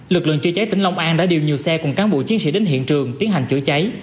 lực lượng chữa cháy tỉnh long an đã điều nhiều xe cùng cán bộ chiến sĩ đến hiện trường tiến hành chữa cháy